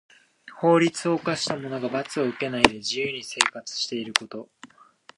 法律を犯した者が罰を受けないで自由に生活していること。